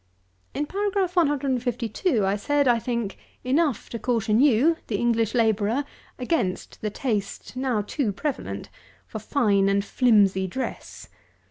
199. In Paragraph 152, I said, I think, enough to caution you, the English labourer, against the taste, now too prevalent, for fine and flimsy dress.